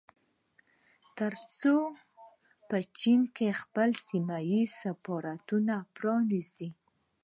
ترڅو په چين کې خپل سيمه ييز سفارتونه پرانيزي